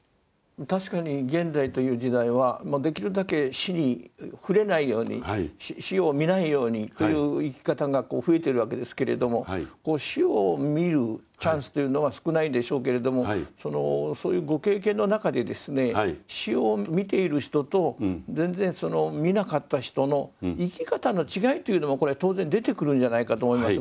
確かに現代という時代はできるだけ死に触れないように死を見ないようにという生き方がこう増えてるわけですけれども死を見るチャンスというのは少ないでしょうけれどもそのそういうご経験の中でですね死を見ている人と全然見なかった人の生き方の違いというのもこれは当然出てくるんじゃないかと思いますが。